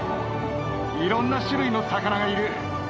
いろんな種類の魚がいる。